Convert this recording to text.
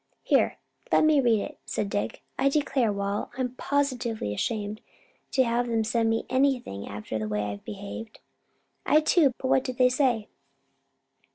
"Here let me read it," said Dick. "I declare, Wal, I'm positively ashamed to have them send me anything after the way I've behaved." "I too. But what do they say?"